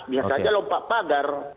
biar saja lompat pagar